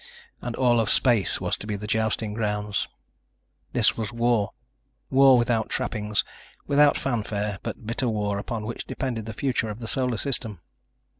And all of space was to be the jousting grounds. This was war. War without trappings, without fanfare, but bitter war upon which depended the future of the Solar System.